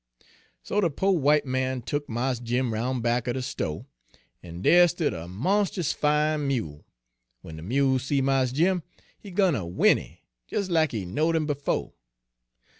"So de po' w'ite man tuk Mars Jim 'roun' back er de sto', en dere stood a monst'us fine mule. W'en de mule see Mars Jim, he gun a whinny, des lack he knowed him befo'.